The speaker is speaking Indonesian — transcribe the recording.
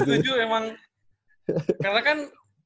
setuju emang karena kan